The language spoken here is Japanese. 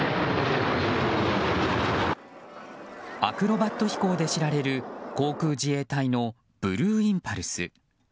アクロバット飛行で知られる航空自衛隊のブルーインパルス。